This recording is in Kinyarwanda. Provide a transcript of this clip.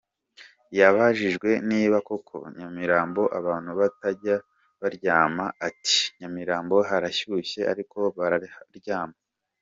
Yabajijwe niba koko I Nyamirambo abantu batajya baryama ati ‘I Nyamirambo harashyushye ariko bararyama’.